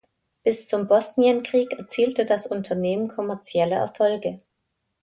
Bis zum Bosnienkrieg erzielte das Unternehmen kommerzielle Erfolge.